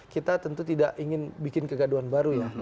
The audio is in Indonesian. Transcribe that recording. kita tentu tidak ingin bikin kegaduan baru